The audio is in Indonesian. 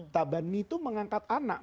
tabani itu mengangkat anak